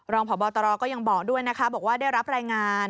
รองพบตรก็ยังบอกด้วยนะคะบอกว่าได้รับรายงาน